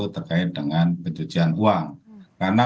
terkait dengan pencucian uang karena